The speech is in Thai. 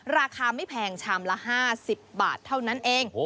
ราคาไม่แพงชามละ๕๐บาทเท่านั้นเอง